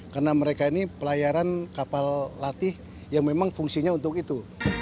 karena mereka ini pelayaran kapal latih yang memang fungsinya untuk itu